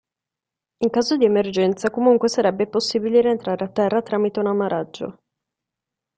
In caso di emergenza comunque sarebbe possibile rientrare a Terra tramite un ammaraggio.